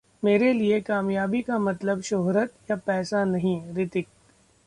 'मेरे लिए कामयाबी का मतलब शोहरत या पैसा नहीं: रितिक